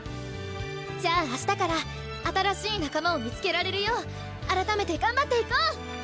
じゃあ明日から新しい仲間を見つけられるよう改めて頑張っていこう！